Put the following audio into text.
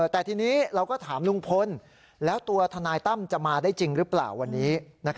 แต่ทีนี้เราก็ถามลุงพลแล้วตัวทนายตั้มจะมาได้จริงหรือเปล่าวันนี้